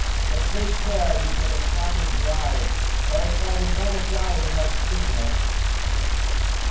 But take care you get a charming bride, else I would rather die without seeing her."